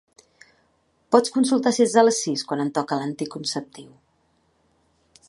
Pots consultar si és a les sis quan em toca l'anticonceptiu?